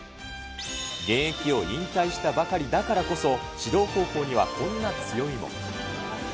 現役を引退したばかりだからこそ、指導方法にはこんな強みも。